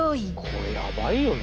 これヤバいよね。